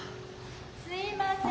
・すいません。